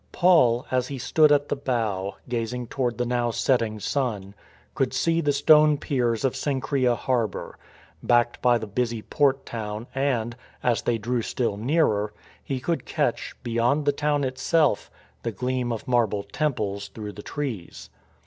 Paul, as he stood at the bow, gazing toward the now setting sun, could see the stone piers of Cenchrese harbour, backed by the busy port town, and — as they drew still nearer — he could catch, beyond the town itself, the gleam of marble temples through the trees.